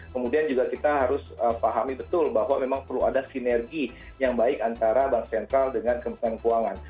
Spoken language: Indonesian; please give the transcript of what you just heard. kemudian juga kita harus pahami betul bahwa memang perlu ada sinergi yang baik antara bank sentral dengan kementerian keuangan